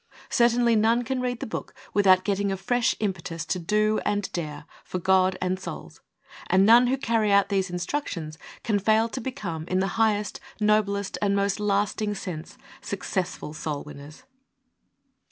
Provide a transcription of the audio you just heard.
Certainly none can read the book without getting a fresh impetus to do and dare for God and souls, and none who carry out these instructions can fail to become in the highest, noblest and most lasting sense, successful soul winners.